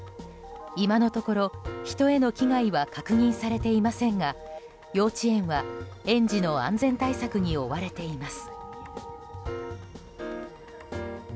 今のところ人への危害は確認されていませんが幼稚園は園児の安全対策に追われています。